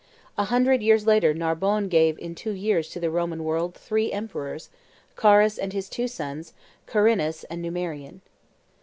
A hundred years later Narbonne gave in two years to the Roman world three emperors, Carus and his two sons, Carinus and Numerian.